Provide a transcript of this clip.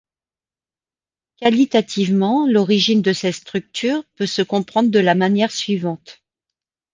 Qualitativement, l'origine de cette structure peut se comprendre de la manière suivante.